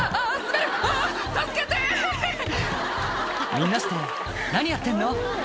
みんなして何やってんの？